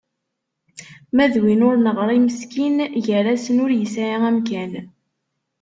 Ma d win ur neɣri meskin, gar-asen ur yesɛi amkan.